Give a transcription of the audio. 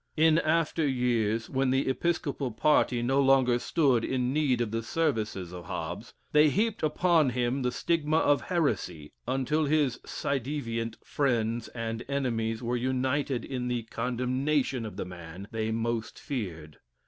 In after years, when the Episcopal party no longer stood in need of the services of Hobbes, they heaped upon him the stigma of heresy, until his ci devant friends and enemies were united in the condemnation of the man they most feared.